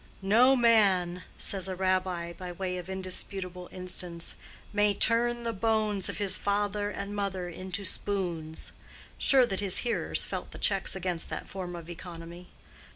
"No man," says a Rabbi, by way of indisputable instance, "may turn the bones of his father and mother into spoons"—sure that his hearers felt the checks against that form of economy.